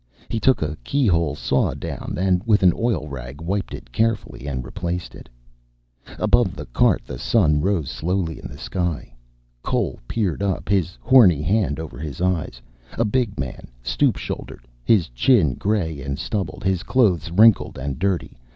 He took a key hole saw down, and with an oil rag wiped it carefully and replaced it. Above the cart the sun rose slowly in the sky. Cole peered up, his horny hand over his eyes. A big man, stoop shouldered, his chin gray and stubbled. His clothes wrinkled and dirty.